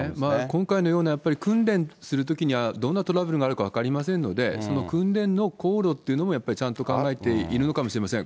今回のような、やっぱり、訓練するときには、どんなトラブルがあるか分かりませんので、その訓練の航路っていうのもやっぱりちゃんと考えているのかもしれません。